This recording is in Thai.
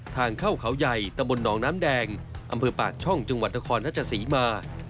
ทางเข้าเขาใหญ่ตำบลหนองน้ำแดงอำเภอปากช่องจังหวัดนครราชศรีมา